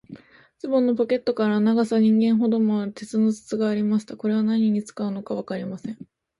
ズボンのポケットからは、長さ人間ほどもある、鉄の筒がありました。これは何に使うのかわかりません。